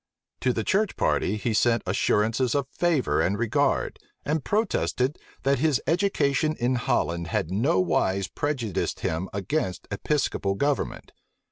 To the church party he sent assurances of favor and regard, and protested, that his education in Holland had nowise prejudiced him against Episcopal government.